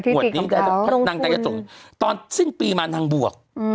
งวดนี้ต้องใช้ตลอดตอนสิ้นปีมานางบวก